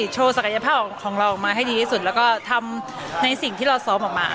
โชว์ศักยภาพของเราออกมาให้ดีที่สุดแล้วก็ทำในสิ่งที่เราซ้อมออกมา